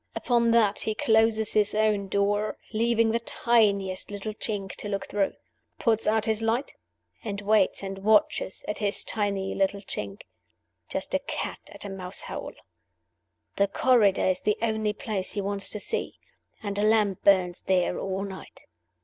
Upon that he closes his own door, leaving the tiniest little chink to look through; puts out his light; and waits and watches at his tiny little chink, like a cat at a mouse hole. The corridor is the only place he wants to see; and a lamp burns there all night.